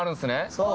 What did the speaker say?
そう。